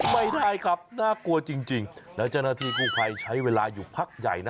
ไม่ได้ครับน่ากลัวจริงแล้วเจ้าหน้าที่กู้ภัยใช้เวลาอยู่พักใหญ่นะ